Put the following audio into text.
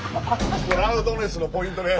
ラウドネスのポイントです。